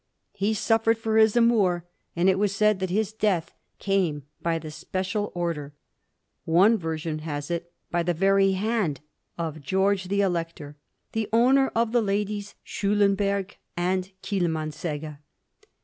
He suffered for his amour ; and it was said that his death came by the special order — one version has it by the very hand — of George the Elector, the owner of the ladies Schulemberg and EUmansegge.